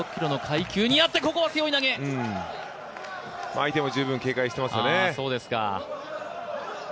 相手も十分警戒してますよね。